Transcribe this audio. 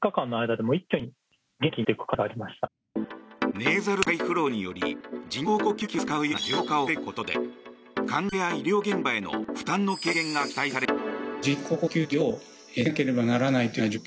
ネーザルハイフローにより人工呼吸器を使うような重症化を防ぐことで患者や医療現場への負担の軽減が期待されているという。